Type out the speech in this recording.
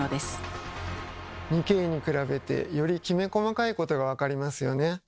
２Ｋに比べてよりきめ細かいことが分かりますよね。